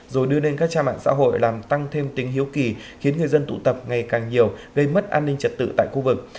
rồi đưa lên các trang mạng xã hội làm tăng thêm tính hiếu kỳ khiến người dân tụ tập ngày càng nhiều gây mất an ninh trật tự tại khu vực